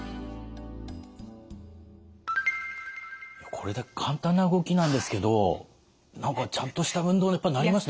これだけ簡単な動きなんですけど何かちゃんとした運動になりますね。